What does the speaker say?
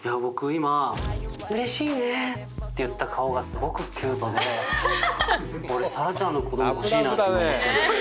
今「うれしいね！」って言った顔がすごくキュートで俺沙羅ちゃんの子供欲しいなって今思っちゃいました。